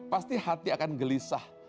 pasti hati akan gelisah